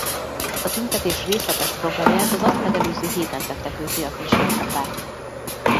A tüntetés részletes programját az azt megelőző héten tette közzé a Kisgazdapárt.